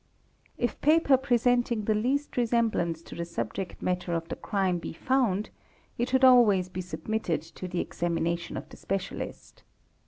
If paper presenting the least resemblance to the subject matter of the crime be found, it should always be submitted to the examination of the specialist.